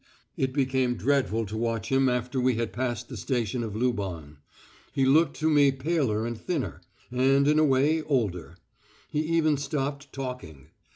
It became dreadful to watch him after we had passed the station of Luban. He looked to me paler and thinner, and, in a way, older. He even stopped talking.